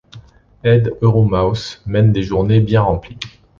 Ed Euromaus mène des journées bien remplies.